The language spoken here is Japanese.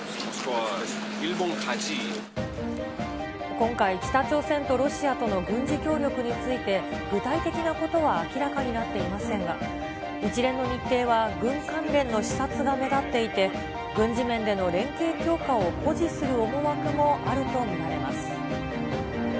今回、北朝鮮とロシアとの軍事協力について、具体的なことは明らかになっていませんが、一連の日程は軍関連の視察が目立っていて、軍事面での連携強化を誇示する思惑もあると見られます。